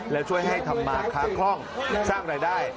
และช่วยให้ทำมาค้าคล่องสร้างรายได้